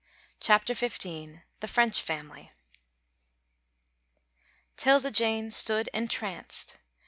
CHAPTER XV. THE FRENCH FAMILY. 'Tilda Jane stood entranced.